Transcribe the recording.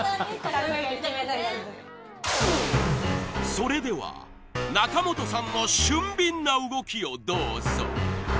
［それでは仲本さんの俊敏な動きをどうぞ！］